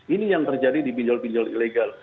ini yang terjadi di pinjol pinjol ilegal